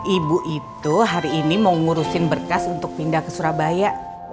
ibu itu hari ini mau ngurusin berkas untuk pindah ke surabaya